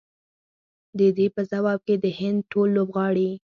د دې په ځواب کې د هند ټول لوبغاړي